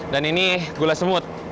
dan ini gula semut